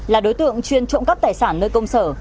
là đối tượng chuyên trộm cắp tài sản nơi công sở